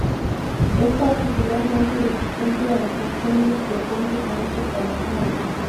Es particularmente resistente a los incendios frecuentes en estas formaciones.